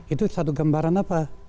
itu satu gambaran apa